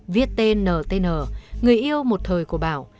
viết tên ntn người yêu một thời của bảo